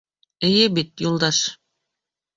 Эйе бит, Юлдаш?